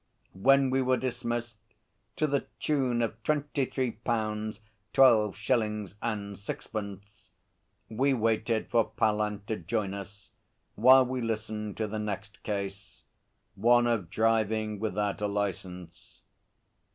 When we were dismissed to the tune of twenty three pounds, twelve shillings and sixpence we waited for Pallant to join us, while we listened to the next case one of driving without a licence.